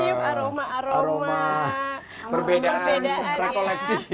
mencium aroma aroma perbedaan rekoleksi